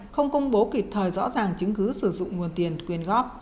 không công bố kịp thời rõ ràng chứng cứ sử dụng nguồn tiền quyên góp